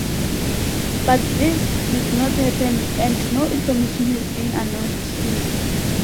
But this did not happen and no information has been announced since.